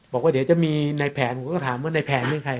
บอกว่าเดี๋ยวจะมีในแผนผมก็ถามว่าในแผนเป็นใคร